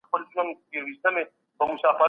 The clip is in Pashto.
په هېواد کي تاریخ په ایډیالوژیک منظر کي وژول سو.